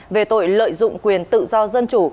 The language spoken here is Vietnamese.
về tội lợi dụng quyền tự do dân chủ